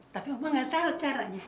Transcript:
tapi oma gak tau caranya